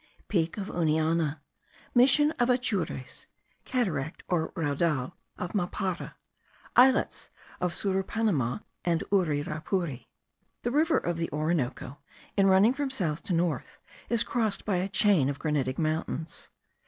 PEAK OF UNIANA. MISSION OF ATURES. CATARACT, OR RAUDAL OF MAPARA. ISLETS OF SURUPAMANA AND UIRAPURI. The river of the Orinoco, in running from south to north, is crossed by a chain of granitic mountains.